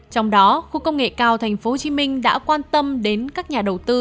trong đó khu công nghệ cao tp hcm đã quan tâm đến các nhà đầu tư